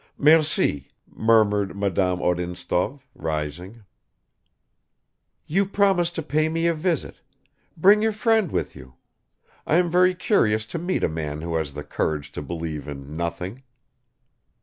"Merci," murmured Madame Odintsov, rising. "You promised to pay me a visit; bring your friend with you. I am very curious to meet a man who has the courage to believe in nothing."